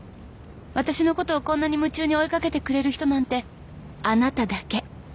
「私のことをこんなに夢中に追い掛けてくれる人なんてあなただけ」